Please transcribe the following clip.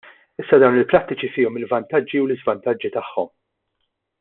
Issa dawn il-prattiċi fihom il-vantaġġi u l-iżvantaġġi tagħhom.